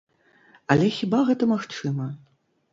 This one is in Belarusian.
Але хіба гэта магчыма?